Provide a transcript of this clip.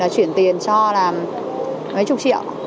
là chuyển tiền cho là mấy chục triệu